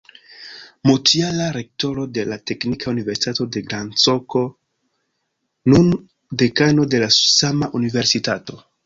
Multjara rektoro de la Teknika Universitato en Gdansko, nun dekano de la sama universitato.